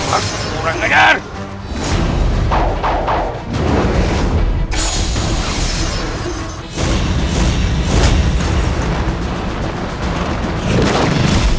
aku kurang dengar